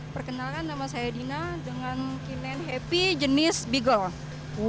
perkenalkan nama saya dina dengan kinen happy jenis beagle